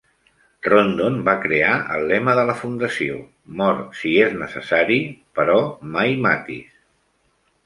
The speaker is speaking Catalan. Rondon va crear el lema de la fundació: Mor si és necessari, però mai matis.